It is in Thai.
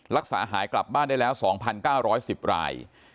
รักษาหายกลับบ้านได้แล้ว๒๙๑๐ราย